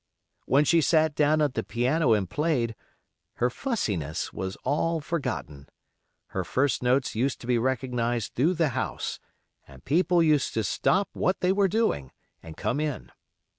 When she sat down at the piano and played, her fussiness was all forgotten; her first notes used to be recognized through the house, and people used to stop what they were doing, and come in.